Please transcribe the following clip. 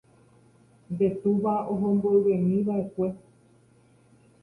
nde túva oho mboyvemiva'ekue.